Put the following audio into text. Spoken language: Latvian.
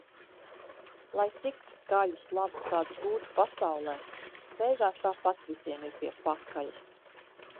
Lai cik skaļu slavu kāds gūtu pasaulē - beigās tāpat visiem ir pie pakaļas.